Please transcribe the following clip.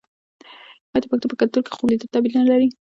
آیا د پښتنو په کلتور کې خوب لیدل تعبیر نلري؟